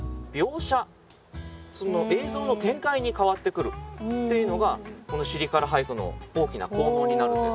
映像の展開に変わってくるというのがこの「尻から俳句」の大きな効能になるんです。